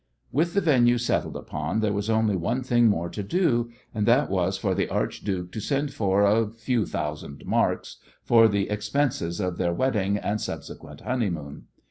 With the venue settled upon there was only one thing more to do, and that was for the archduke to send for "a few thousand marks" for the expenses of their wedding and subsequent honeymoon.